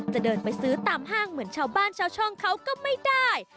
เดินไปซื้อตามห้างเหมือนชาวบ้านชาวช่องเขาก็ไม่ได้